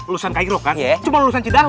lulusan cairo kan cuma lulusan cidahu